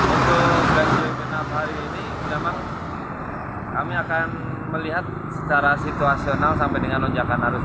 untuk berhasil kenap hari ini kami akan melihat secara situasional sampai dengan lonjakan arus